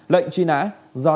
lệnh truy nã do